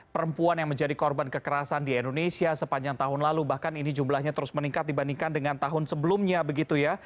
perempuan yang menjadi korban kekerasan di indonesia sepanjang tahun lalu bahkan ini jumlahnya terus meningkat dibandingkan dengan tahun sebelumnya begitu ya